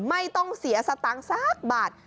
ไม่ต้องเสียสตังสักบัตร